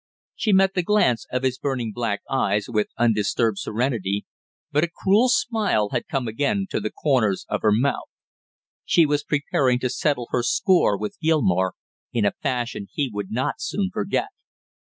She met the glance of his burning black eyes with undisturbed serenity, but a cruel smile had come again to the corners of her mouth. She was preparing to settle her score with Gilmore in a fashion he would not soon forget.